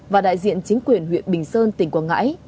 và đại diện chính quyền huyện bình sơn tỉnh quảng ngãi